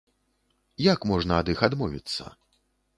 Як можна ад іх адмовіцца?